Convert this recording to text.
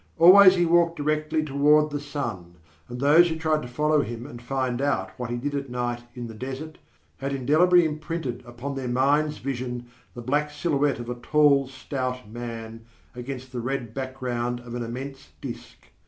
Always he walked directly toward the sun, and those who tried to follow him and find out what he did at night in the desert had indelibly imprinted upon their mind's vision the black silhouette of a tall, stout man against the red background of an immense disk.